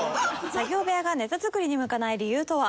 作業部屋がネタ作りに向かない理由とは？